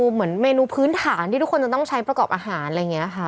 เหมือนเมนูพื้นฐานที่ทุกคนจะต้องใช้ประกอบอาหารอะไรอย่างนี้ค่ะ